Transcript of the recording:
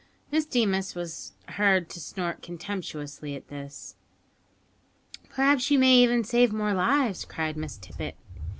Miss Deemas was heard to snort contemptuously at this. "Perhaps you may even save more lives!" cried Miss Tippet.